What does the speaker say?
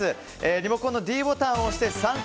リモコンのｄボタンを押して３択